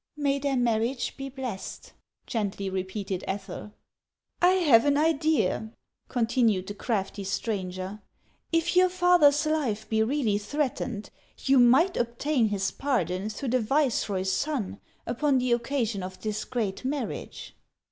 "May their marriage be blessed!" gently repeated Ethel. "I have an idea," continued the crafty stranger. •' If your father's life be really threatened, you might obtain his pardon through the viceroy's son upon the occasion of this great marriage."